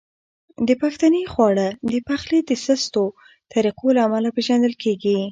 پښتني خواړه د پخلي د سستو طریقو له امله پیژندل کیږي.